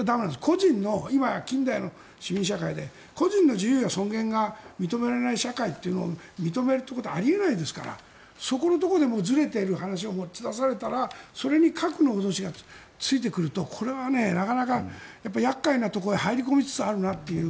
個人の今、近代の市民社会で個人の自由や尊厳が認められない社会を認めるということはあり得ないですからそこのとこでずれている話を持ち出されたらそれに核の脅しがついてくるとこれはなかなか厄介なところへ入り込みつつあるなという。